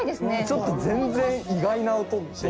ちょっと全然意外な音でしたね。